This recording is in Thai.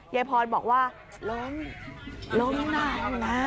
เยพรบอกว่าล้มล้มแหล่งหน้า